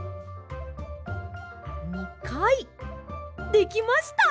できました！